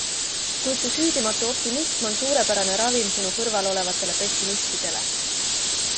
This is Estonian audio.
Kuid su süüdimatu optimism on suurepärane ravim sinu kõrval olevatele pessimistidele.